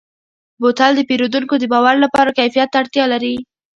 بوتل د پیرودونکو د باور لپاره کیفیت ته اړتیا لري.